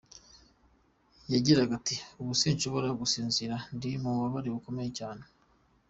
Yagiraga ati: “Ubu sinshobora gusinzira , ndi mu bubabare bukomeye cyane.